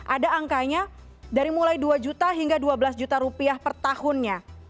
ada angkanya dari mulai dua juta hingga dua belas juta rupiah per tahunnya